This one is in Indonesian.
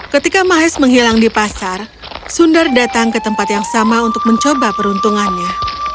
ketika mahes menghilang di pasar sundar datang ke tempat yang sama untuk mencoba peruntungannya